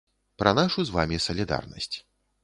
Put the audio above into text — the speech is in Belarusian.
Пра нашу з вамі салідарнасць.